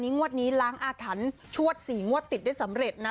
งวดนี้ล้างอาถรรพ์ชวด๔งวดติดได้สำเร็จนะ